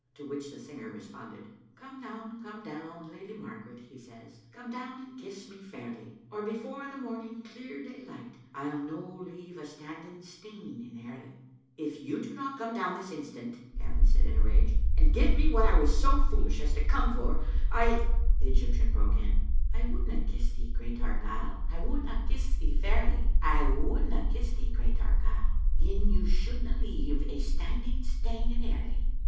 To which the singer responded— "*Come down, come down. Lady Margaret, * he says; *Come down and kiss me fairly Or before the morning clear day light rU no leave a standing stane in Airly. '"• If you do not come down this instant," Gavin said in a rage, " and give me what I was so foolish as to come for, I " ID Digitized by Google 146 XShc Xittle Alntoter. The Egyptian broke in — "*I wouldna kiss thee, great Argyle, I wouldna kiss thee fairly ; I wonldna kiss thee, great Argyle, Gin yon shouldna leave a standing stane in Airly.